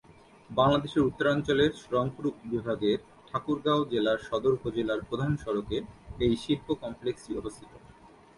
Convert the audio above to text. বাংলাদেশের উত্তরাঞ্চলের রংপুর বিভাগের ঠাকুরগাঁও জেলার সদর উপজেলার প্রধান সড়কে এই শিল্প কমপ্লেক্সটি অবস্থিত।